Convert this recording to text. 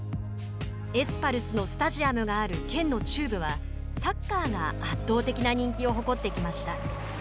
エスパルスのスタジアムがある県の中部はサッカーが圧倒的な人気を誇ってきました。